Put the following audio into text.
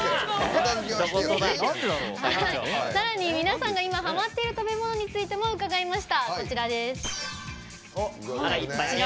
さらに皆さんが今、ハマっている食べ物についても伺いました。